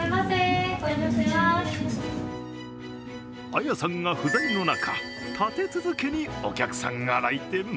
綾さんが不在の中立て続けにお客さんが来店。